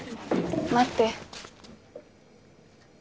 待って。